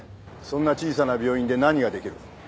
そんな小さな病院で何ができる？